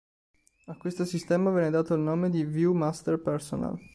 A questo sistema venne dato il nome di View-Master Personal.